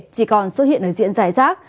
chỉ còn xuất hiện ở diện giải giác